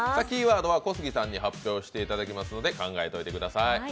キーワードは小杉さんに発表していただきますので考えておいてください。